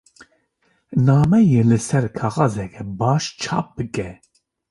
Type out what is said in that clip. Nameyê li ser kaxezeke baş çap bike.